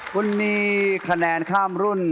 คุณมีคะแนนข้ามรุ่น